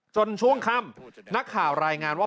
ช่วงค่ำนักข่าวรายงานว่า